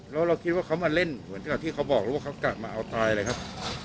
แล้วเราคิดว่าเขามาเล่นเหมือนกับที่เขาบอกหรือว่าเขากลับมาเอาตายเลยครับ